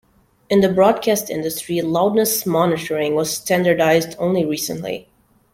In the broadcast industry, loudness monitoring was standardized only recently.